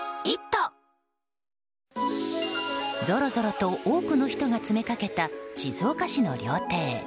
ぞろぞろと多くの人が詰めかけた静岡市の料亭。